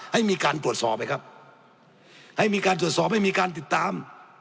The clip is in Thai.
ให้มีการตรวจสอบไหมครับให้มีการตรวจสอบให้มีการติดตาม